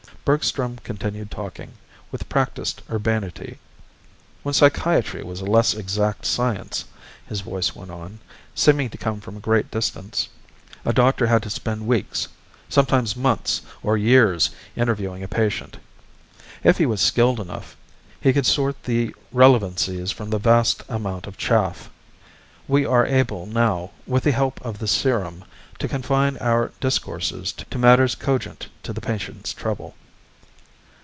Bergstrom continued talking, with practiced urbanity. "When psychiatry was a less exact science," his voice went on, seeming to come from a great distance, "a doctor had to spend weeks, sometimes months or years interviewing a patient. If he was skilled enough, he could sort the relevancies from the vast amount of chaff. We are able now, with the help of the serum, to confine our discourses to matters cogent to the patient's trouble."